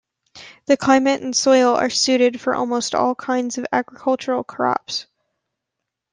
The climate and soil are suited for almost all kinds of agricultural crops.